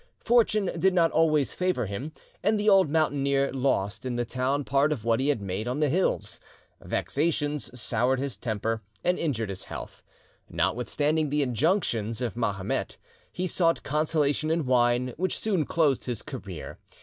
Fortune did not always favour him, and the old mountaineer lost in the town part of what he had made on the hills. Vexations soured his temper and injured his health. Notwithstanding the injunctions of Mahomet, he sought consolation in wine, which soon closed his career.